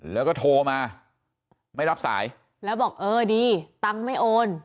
แล้วก็โทรมาไม่รับสายแล้วบอกเออดีตังค์ไม่โอน